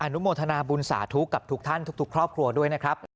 นุโมทนาบุญสาธุกับทุกท่านทุกครอบครัวด้วยนะครับ